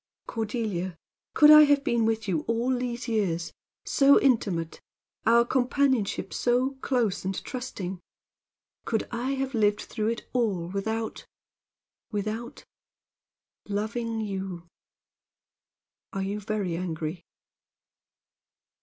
Cordelia, could I have been with you all these years so intimate our companionship so close and trusting could I have lived through it all without without loving you? Are you very angry?"